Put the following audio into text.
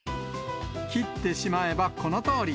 切ってしまえばこのとおり。